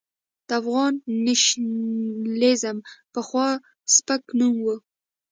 د افغان نېشنلېزم پخوا سپک نوم و.